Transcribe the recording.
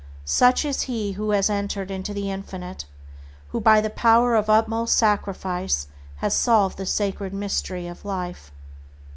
Such is he who has entered into the Infinite, who by the power of utmost sacrifice has solved the sacred mystery of life.